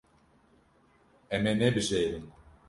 Em ê nebijêrin.